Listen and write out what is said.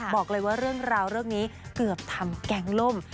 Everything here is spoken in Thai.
บอกเลยว่าเรื่องราวเรื่องนี้เกือบทำแก๊งล่ม